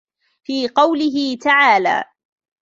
فِي قَوْله تَعَالَى